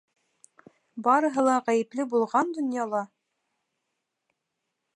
Барыһы ла ғәйепле булған донъяла?